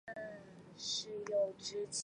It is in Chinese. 封装被视为是物件导向的四项原则之一。